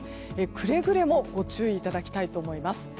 くれぐれもご注意いただきたいと思います。